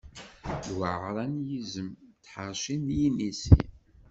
Luɛara n yizem, d tḥerci n yinisi.